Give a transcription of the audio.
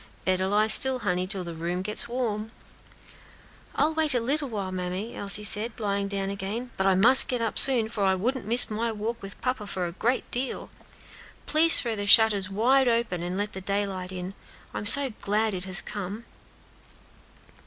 "Better lie still, honey, till de room gets warm." "I'll wait a little while, mammy," Elsie said, lying down again, "but I must get up soon; for I wouldn't miss my walk with papa for a great deal. Please throw the shutters wide open, and let the daylight in. I'm so glad it has come."